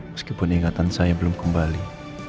meskipun ingatan saya belum kembali